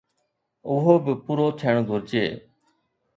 اهو به پورو ٿيڻ گهرجي.